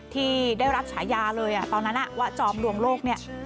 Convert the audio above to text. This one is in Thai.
ที่ได้รับฉายาเลยตอนนั้นว่าจอมลวงโลกเนี่ย